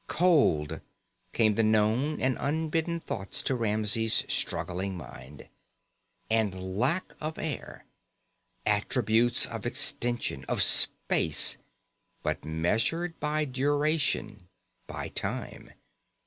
_ Cold, came the known and unbidden thoughts to Ramsey's struggling mind. And lack of air. Attributes of extension, of space, but measured by duration, by time.